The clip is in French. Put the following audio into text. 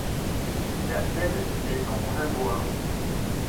La scène est en brun-noir.